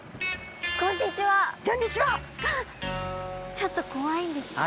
ちょっと怖いんですけど。